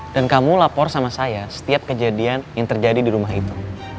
dan kamu lapor sama saya setiap kejadian yang terjadi di rumah itu